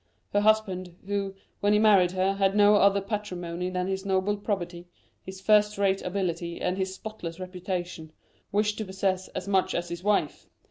Her husband, who, when he married her, had no other patrimony than his noble probity, his first rate ability, and his spotless reputation, wished to possess as much as his wife.